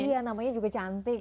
iya namanya juga cantik